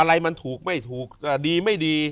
อะไรมันถูกไม่ถูกดีไม่ดี